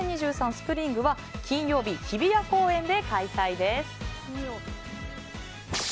ＳＰＲＩＮＧは金曜日、日比谷公園で開催です。